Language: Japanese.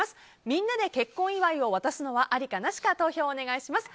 みんなで結婚祝いを渡すのはありかなしか投票をお願いします。